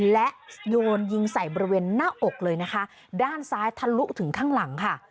และโยนยิงใส่บริเวณหน้าอกเลยนะคะด้านซ้ายทะลุถึงข้างหลังค่ะ